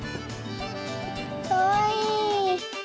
かわいい。